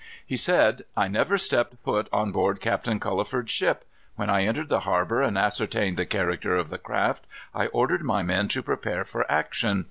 He said, "I never stepped foot on board Captain Culliford's ship. When I entered the harbor and ascertained the character of the craft, I ordered my men to prepare for action.